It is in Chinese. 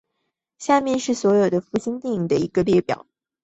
下面是所有这些福星电影的一个列表。